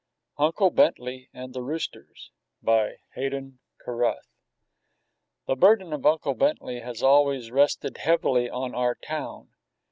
UNCLE BENTLEY AND THE ROOSTERS BY HAYDEN CARRUTH The burden of Uncle Bentley has always rested heavily on our town.